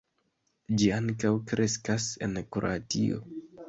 Ĝi ankaŭ kreskas en Kroatio.